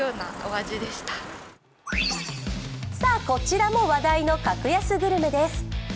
こちらも話題の格安グルメです。